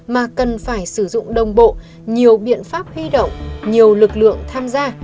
mà cần phải sử dụng đồng bộ nhiều biện pháp huy động nhiều lực lượng tham gia